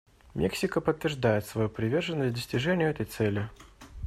Мексика подтверждает свою приверженность достижению этой цели.